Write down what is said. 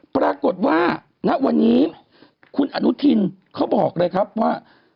ปรากฏว่าณวันนี้คุณอนุทินเขาบอกเลยครับว่า